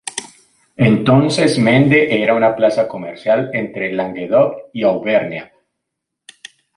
Entonces Mende era una plaza comercial entre Languedoc y Auvernia.